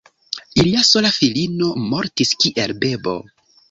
Ilia sola filino mortis kiel bebo.